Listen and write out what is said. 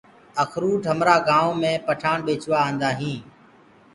اکروُٽ همرآ گآئونٚ پٺآڻ ڀيچوآ آندآ هين۔